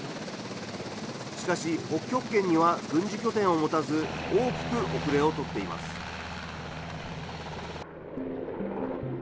しかし、北極圏には軍事拠点を持たず、大きく後れを取っています。